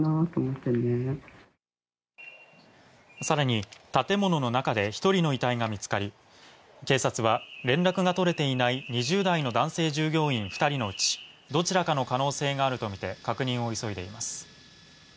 更に建物の中で１人の遺体が見つかり警察は連絡が取れていない２０代の男性従業員２人のうちどちらかの可能性があるとみて確認を急いでいます。